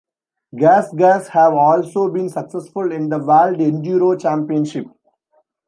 Gas Gas have also been successful in the World Enduro Championship.